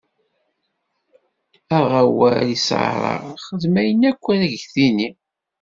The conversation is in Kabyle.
Aɣ awal i Ṣara, xdem ayen akk ara k-d-tini.